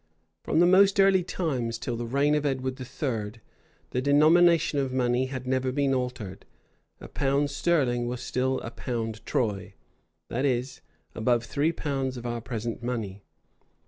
From the most early times till the reign of Edward III., the denomination of money had never been altered; a pound sterling was still a pound troy; that is, about three pounds of our present money.